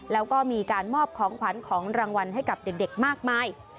แล้วก็มีการมอบของขวัญของรางวัลให้กับเด็กมากมาย